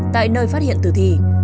tại nơi phát hiện tử thị